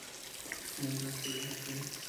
Mientras que el St.